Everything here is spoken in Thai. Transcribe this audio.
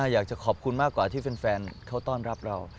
อยากจะขอบคุณมากกว่าที่แฟนเขาต้อนรับเรา